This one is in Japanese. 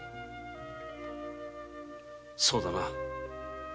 そうだな。